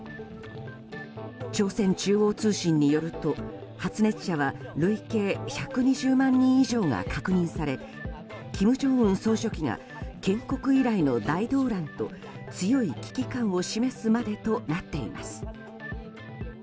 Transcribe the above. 朝鮮中央通信によると発熱者は累計１２０万人以上が確認され金正恩総書記が建国以来の大動乱と強い危機感を示すまでとなっています。